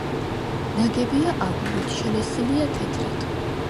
ნაგებია აგურით, შელესილია თეთრად.